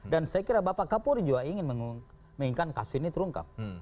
dan saya kira bapak kapuri juga ingin menginginkan kasus ini terungkap